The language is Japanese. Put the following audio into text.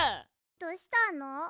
どうしたの？